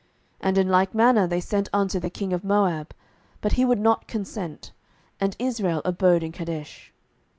And in like manner they sent unto the king of Moab: but he would not consent: and Israel abode in Kadesh.